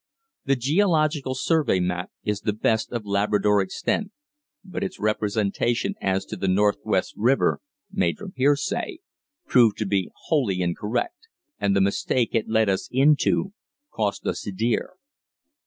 The Geological Survey map is the best of Labrador extant, but its representation as to the Northwest River (made from hearsay) proved to be wholly incorrect, and the mistake it led us into cost us dear.